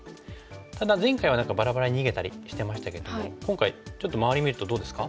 ただ前回はバラバラに逃げたりしてましたけども今回ちょっと周り見るとどうですか？